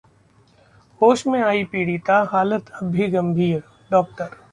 होश में आई पीड़िता, हालत अब भी गंभीरः डॉक्टर